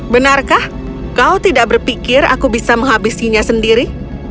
benarkah kau tidak berpikir aku bisa menghabisinya sendiri